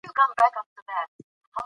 غازيان به بیا تږي او ستړي نه سي.